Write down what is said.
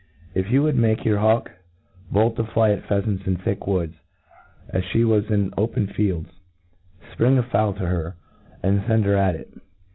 IF you would make your hawk bold to fly at pheafants in thick woods, as fhc was in the o pcn fields, fpring a fowl to her, and fend her at it.